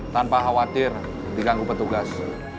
tanpa khawatir diganggu petugas